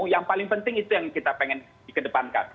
yang paling penting itu yang kita pengen dikedepankan